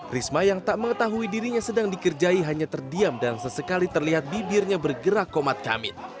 risma yang tak mengetahui dirinya sedang dikerjai hanya terdiam dan sesekali terlihat bibirnya bergerak komat kamit